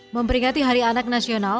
memperingati hari anak nasional